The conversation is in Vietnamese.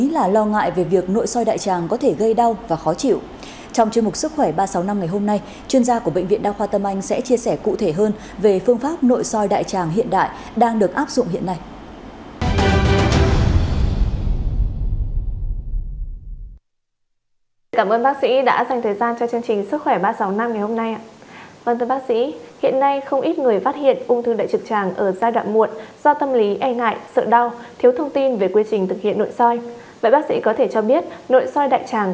vậy bác sĩ có thể cho biết nội soi đại tràng có đau hay không và được thực hiện như thế nào ạ